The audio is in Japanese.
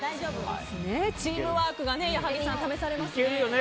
チームワークが試されますよね。